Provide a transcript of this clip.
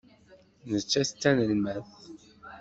Nettat d tanelmadt.